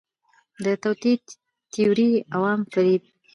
د توطئې تیوري، عوام فریب